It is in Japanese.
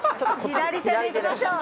左手でいきましょう。